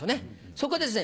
そこでですね